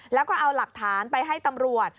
แล้วก็เอาหลักฐานไปให้ตำรวจ